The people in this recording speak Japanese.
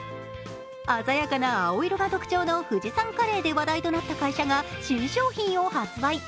鮮やかな青色が特徴の富士山カレーで話題となった会社が新商品を発売